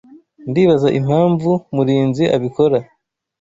Ndibaza impamvu Murinzi abikora.